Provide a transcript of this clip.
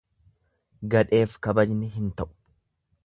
Gadheef kabajni hin ta'u.